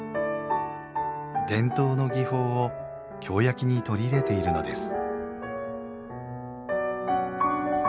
伝統の技法を京焼に取り入れているのです。